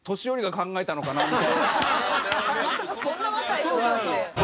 まさかこんな若い子がって。